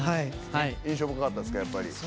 印象深かったですか？